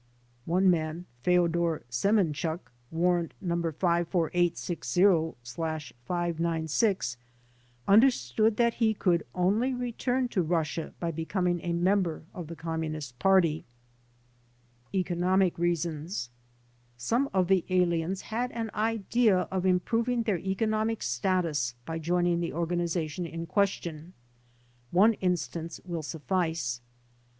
One man — Feodor Scmenchuk (Warrant No. 54860/ 596) — ^understood that he could only return to Russia by becoming a member of the Communist Party. Bconomic Reasons Some of the aliens had an idea of improving their economic status by joining the organization in question. One instance will sufHce.